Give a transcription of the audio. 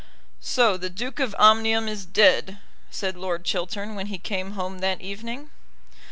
"So the Duke of Omnium is dead," said Lord Chiltern when he came home that evening.